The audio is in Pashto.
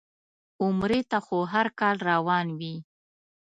عمرې ته خو هر کال روان وي.